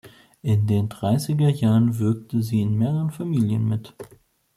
In den dreißiger Jahren wirkte sie in mehreren Filmen mit.